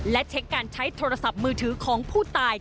และเช็คการใช้โทรศัพท์มือถือของผู้ตาย